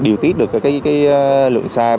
điều tiết được lượng sai